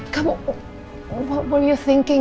kamu apa yang kamu pikirkan